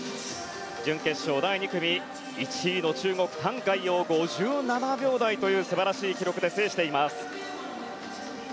準決勝第２組１位の中国、タン・カイヨウ５７秒台という素晴らしい記録で制しています。